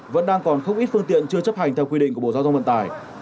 vẫn đang còn không ít phương tiện chưa chấp hành theo quy định của bộ giao thông vận tải